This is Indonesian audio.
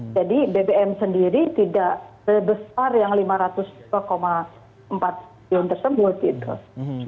jadi bbm sendiri tidak sebesar yang rp lima ratus dua empat triliun